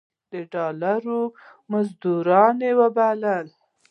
د ډالرو مزدورۍ وبللې.